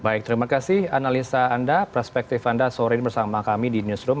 baik terima kasih analisa anda perspektif anda sore ini bersama kami di newsroom